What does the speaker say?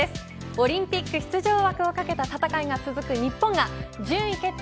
オリンピック出場枠を懸けた戦いが続く日本が順位決定